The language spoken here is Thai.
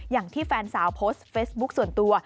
อย่างที่แฟนสาวโพสต์เฟซบุ๊คส่วนตัว